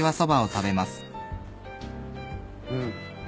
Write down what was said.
うん。